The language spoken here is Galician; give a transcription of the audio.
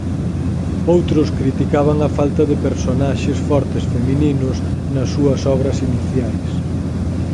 Outros criticaban a falta de personaxes fortes femininos nas súas obras iniciais.